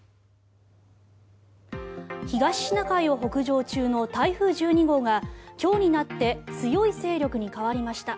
東シナ海を北上中の台風１２号が今日になって強い勢力に変わりました。